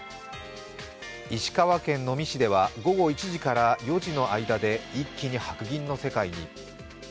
石川県能美市では午後１時から４時の間に一気に白銀の世界に。